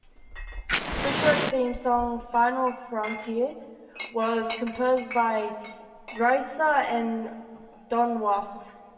The show's theme song, "Final Frontier", was composed by Reiser and Don Was.